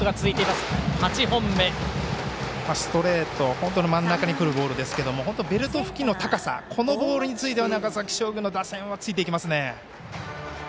本当に真ん中にくるボールですがベルト付近の高さこのボールについては長崎商業の打線はついていきますね。